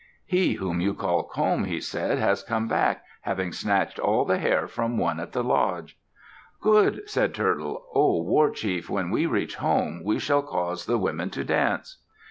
"He whom you call 'Comb,'" he said, "has come back, having snatched all the hair from one at the lodge." "Good!" said Turtle. "O war chief, when we reach home, we shall cause the women to dance."